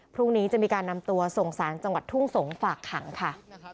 พรุ่งนี้จะมีการนำตัวส่งสารจังหวัดทุ่งสงฝากขังค่ะ